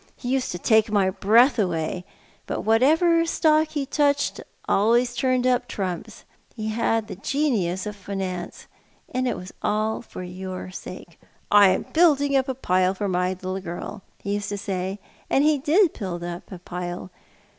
He used to take my breath away ; but what ever stock he touched always turned up trumps. He had the genius of finance. And it was all for your sake. ' I am building up a pile for my little girl,' he used to say; and he did build up a pile.